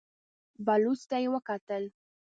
بلوڅ ته يې وکتل.